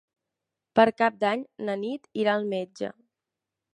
Per Cap d'Any na Nit irà al metge.